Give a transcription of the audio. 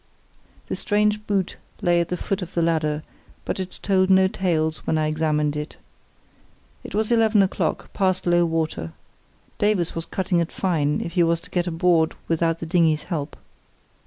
The strange boot lay at the foot of the ladder, but it told no tales when I examined it. It was eleven o'clock, past low water. Davies was cutting it fine if he was to get aboard without the dinghy's help.